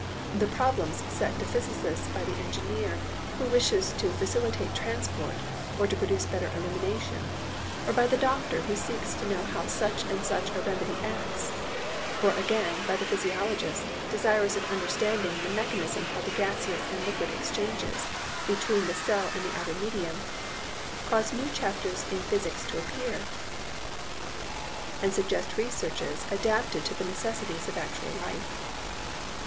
The problems set to physicists by the engineer who wishes to facilitate transport or to produce better illumination, or by the doctor who seeks to know how such and such a remedy acts, or, again, by the physiologist desirous of understanding the mechanism of the gaseous and liquid exchanges between the cell and the outer medium, cause new chapters in physics to appear, and suggest researches adapted to the necessities of actual life.